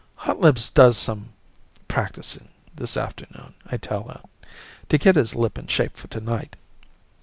"Hotlips does some practicing this afternoon," I tell her, "to get his lip in shape for tonight."